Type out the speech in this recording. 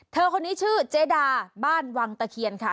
คนนี้ชื่อเจดาบ้านวังตะเคียนค่ะ